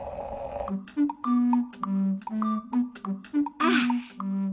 ああ。